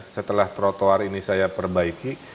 setelah trotoar ini saya perbaiki